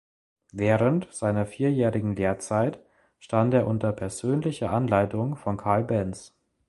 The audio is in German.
Während seiner vierjährigen Lehrzeit stand er unter persönlicher Anleitung von Carl Benz.